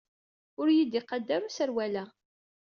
Ur iyi-d-iqad ara userwal-a.